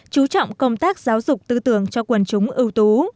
chú trọng công tác giáo dục tư tưởng cho quần chúng ưu tú